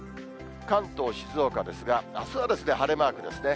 関東、静岡ですが、あすはですね、晴れマークですね。